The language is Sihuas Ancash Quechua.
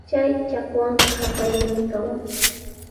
Chay chakwanqa hapallanmi kawan.